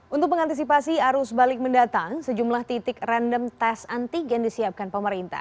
untuk mengantisipasi arus balik mendatang sejumlah titik random tes antigen disiapkan pemerintah